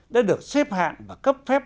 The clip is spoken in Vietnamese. đã được xếp hạng và cấp phép